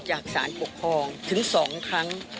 จากสารปกครองถึง๒ครั้ง